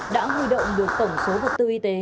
đã huy động được tổng số vật tư y tế